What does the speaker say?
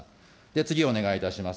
次、お願いいたします。